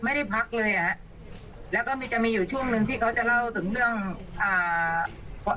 ไม่ได้พักเลยอ่ะฮะแล้วก็มีจะมีอยู่ช่วงหนึ่งที่เขาจะเล่าถึงเรื่องอ่า